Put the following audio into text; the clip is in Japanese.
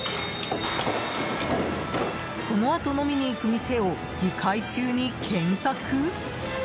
このあと飲みに行く店を議会中に検索？